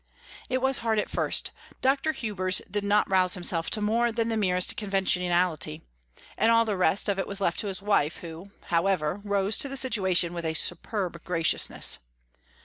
It was hard at first. Dr. Hubers did not rouse himself to more than the merest conventionality, and all the rest of it was left to his wife, who, however, rose to the situation with a superb graciousness.